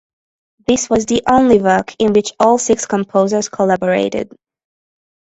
This was the only work in which all six composers collaborated.